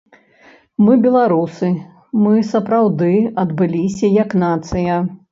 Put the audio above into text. Мы беларусы, мы сапраўды адбыліся як нацыя.